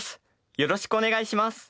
よろしくお願いします。